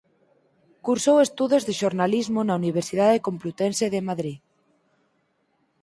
Cursou estudos de Xornalismo na Universidade Complutense de Madrid.